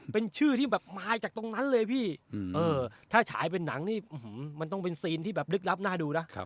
เป็นชื่อที่แบบมาจากตรงนั้นเลยพี่ถ้าฉายเป็นหนังนี่มันต้องเป็นซีนที่แบบลึกลับน่าดูนะ